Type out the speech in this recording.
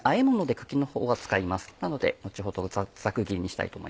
なので後ほどざく切りにしたいと思います。